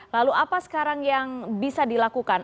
lalu apa sekarang yang bisa dilakukan